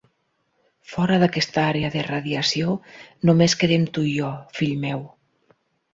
Fora d'aquesta àrea de radiació només quedem tu i jo, fill meu.